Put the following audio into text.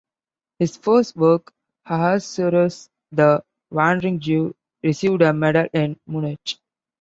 His first work, "Ahasuerus, the Wandering Jew", received a medal in Munich.